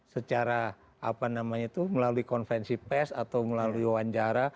secara apa namanya itu melalui konvensi pes atau melalui wawancara